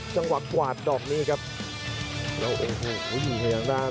จังหวะกวาดดอกนี้ครับแล้วโอ้โหยิงไปทางด้าน